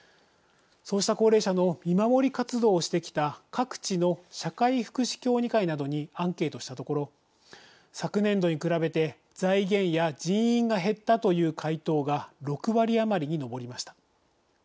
そうした高齢者の見守り活動をしてきた各地の社会福祉協議会などにアンケートしたところ昨年度に比べて財源や人員が減ったという回答が６割余りに上りました。